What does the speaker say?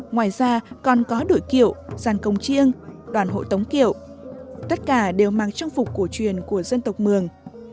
ngoài ra còn có đổi kiệu giàn công chiêng đoàn hộ tống kiệu tất cả đều mang trang phục cổ truyền của dân tộc mường